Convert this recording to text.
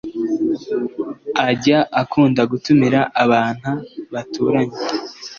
ajya akunda gutumira abanta baturanye